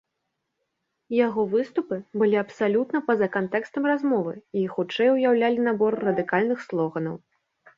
Яго выступы былі абсалютна па-за кантэкстам размовы, і хутчэй уяўлялі набор радыкальных слоганаў.